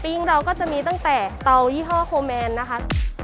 เราก็จะมีตั้งแต่เตายี่ห้อโฮแมนนะคะ